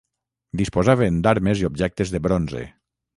Disposaven d'armes i objectes de bronze.